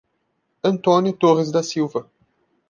Antônio Torres da Silva